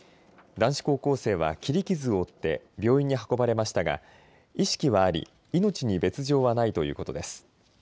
男子高校生は切り傷を負って病院に運ばれましたが意識はあり命に別状はないということです。